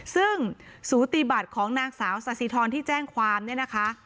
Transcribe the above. ซึ่งสูติบัติของนางสาวสาธิธรที่แจ้งความเนี่ยนะคะ